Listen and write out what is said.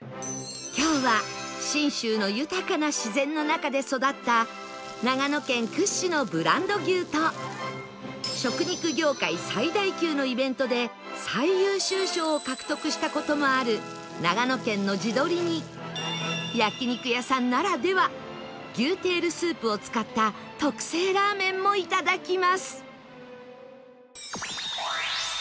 今日は信州の豊かな自然の中で育った長野県屈指のブランド牛と食肉業界最大級のイベントで最優秀賞を獲得した事もある長野県の地鶏に焼肉屋さんならでは牛テールスープを使った特製ラーメンもいただきます